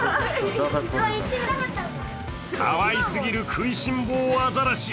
かわいすぎる食いしん坊アザラシ。